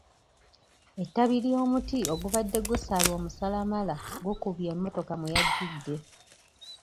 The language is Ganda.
Ettabi ly'omuti ogubadde gusalwa omusalamala gukubye emmotoka mwe yajjidde.